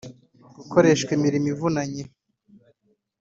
gukoreshwa imirimo ivunanye